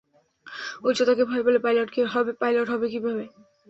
উচ্চতাকে ভয় পেলে পাইলট হবে কীভাবে?